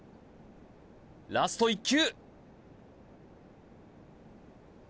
ラスト１球！